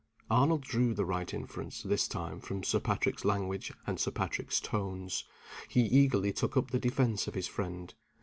Arnold drew the right inference, this time, from Sir Patrick's language and Sir Patrick's tones. He eagerly took up the defense of his friend.